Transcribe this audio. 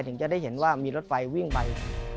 ถึงจะได้เห็นว่ามีรถไฟวิ่งไป